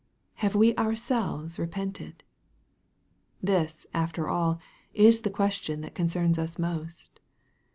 Have we ourselves repented ? This, after all, is the question that concerns us most.